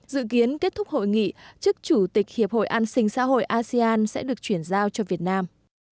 dự kiến kết thúc hội nghị chức chủ tịch hiệp hội an sinh xã hội asean sẽ được chuyển giao cho việt nam